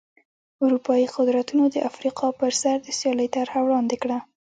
اروپايي قدرتونو د افریقا پر سر د سیالۍ طرحه وړاندې کړه.